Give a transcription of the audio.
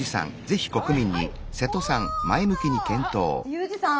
ユージさん。